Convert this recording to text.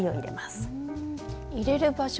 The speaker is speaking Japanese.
入れる場所